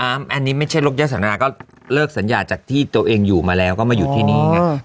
อันนี้ไม่ใช่ลกย่าสันนาก็เลิกสัญญาจากที่ตัวเองอยู่มาแล้วก็มาอยู่ที่นี่ไง